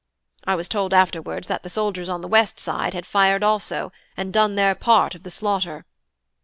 I was told afterwards that the soldiers on the west side had fired also, and done their part of the slaughter.